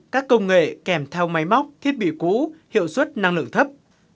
các công nghệ kèm theo máy móc thiết bị cũ hiệu suất năng lượng thấp